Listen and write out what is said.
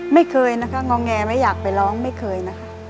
ไม่เคยนะคะงอแงไม่อยากไปร้องไม่เคยนะคะ